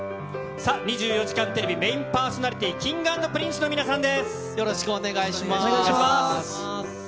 さあ、２４時間テレビメインパーソナリティー、Ｋｉｎｇ＆Ｐｒｉｎｃｅよろしくお願いします。